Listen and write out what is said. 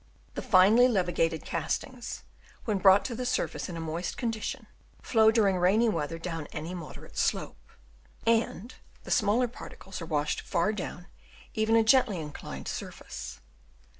The finely levigated castings, when brought to the surface in a moist condition, flow during rainy weather down any moderate slope ; and the smaller particles are washed far down even a gently inclined surface.